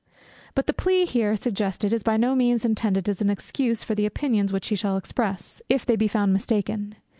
But the plea here suggested is by no means intended as an excuse for the opinions which he shall express, if they be found mistaken.